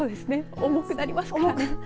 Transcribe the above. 重くなりますから。